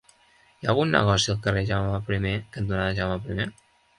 Hi ha algun negoci al carrer Jaume I cantonada Jaume I?